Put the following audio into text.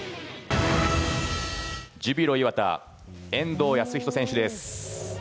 ジュビロ磐田遠藤保仁選手です。